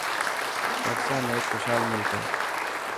پاڪستان هيڪ خوشحال ملڪ هي.